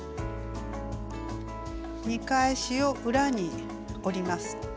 見返しを裏に折ります。